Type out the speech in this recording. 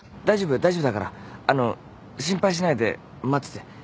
大丈夫大丈夫だからあの心配しないで待ってて。